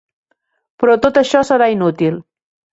Però tot això serà inútil.